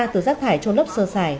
từ rác thải trôn lấp sơ xài